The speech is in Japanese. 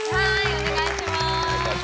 お願いいたします。